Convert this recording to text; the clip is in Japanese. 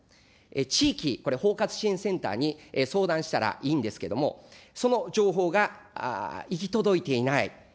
地域、これ、包括支援センターに相談したらいいんですけれども、その情報が行き届いていない。